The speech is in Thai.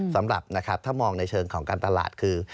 สำหรับนะครับถ้ามองในเชิงของการตลาดคือ